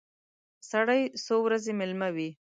سړی څو ورځې مېلمه وي.